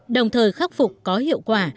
đồng thời khắc phục có hiệu quả